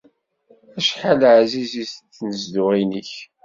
Acḥal ɛzizit tnezduɣin-ik!